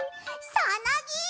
さなぎ！